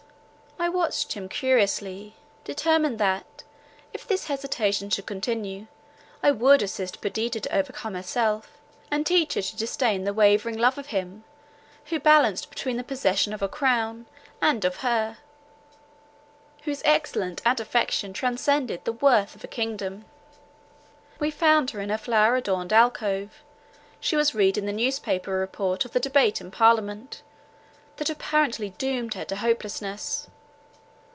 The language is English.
I watched him curiously, determined that, if this hesitation should continue, I would assist Perdita to overcome herself, and teach her to disdain the wavering love of him, who balanced between the possession of a crown, and of her, whose excellence and affection transcended the worth of a kingdom. We found her in her flower adorned alcove; she was reading the newspaper report of the debate in parliament, that apparently doomed her to hopelessness.